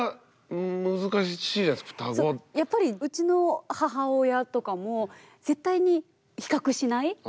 やっぱりうちの母親とかも絶対に比較しない。